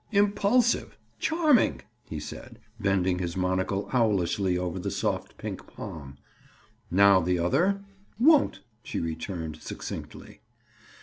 "Impulsive! Charming!" he said, bending his monocle owlishly over the soft pink palm. "Now the other?" "Won't!" she returned succinctly.